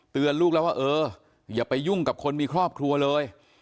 ลูกแล้วว่าเอออย่าไปยุ่งกับคนมีครอบครัวเลย